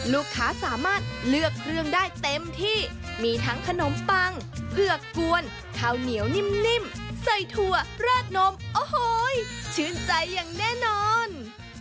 ลูกค้าสามารถเลือกเครื่องได้เต็มที่มีทั้งขนมปังเผือกกวนข้าวเหนียวนิ่มใส่ถั่วราดนมโอ้โหชื่นใจอย่างแน่นอน